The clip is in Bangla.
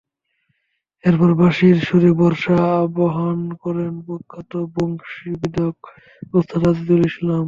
এরপর বাঁশির সুরে বর্ষা আবাহন করেন প্রখ্যাত বংশীবাদক ওস্তাদ আজিজুল ইসলাম।